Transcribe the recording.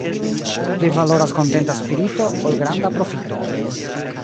Pli valoras kontenta spirito, ol granda profito.